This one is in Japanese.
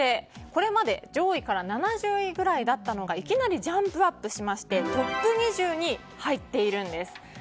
これまで上位から７０位ぐらいだったのがいきなりジャンプアップしましてトップ２０に入っているんです。